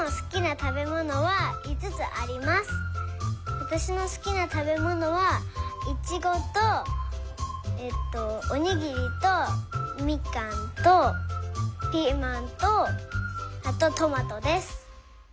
わたしのすきなたべものはイチゴとおにぎりとみかんとピーマンとあとトマトです。